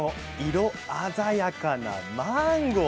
色鮮やかなマンゴー。